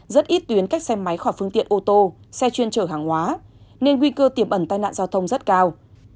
rất ít tuyến cách xe máy khỏi phương tiện ô tô xe chuyên chở hàng hóa nên nguy cơ tiềm ẩn tai nạn giao thông rất cao